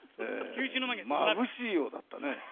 まぶしいようだったね。